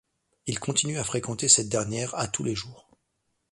Il continue à fréquenter cette dernière à tous les jours.